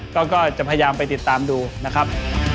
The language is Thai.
ก็จะพยายามไปติดตามดูนะครับ